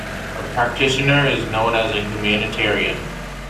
A practitioner is known as a humanitarian.